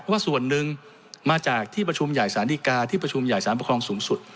ว่าส่วนหนึ่งมาจากที่ประชุมใหญ่ศาลดีกาที่ประชุมใหญ่สารปกครองสูงสุด